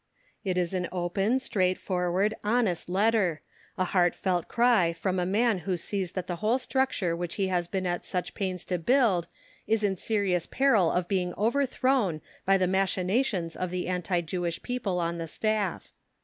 It is an open, straightforward, honest letter, a heartfelt cry from a man who sees that the whole structure which he has been at such pains to build is in serious peril of being overthrown by the machinations of the anti Jewish people on the Staff.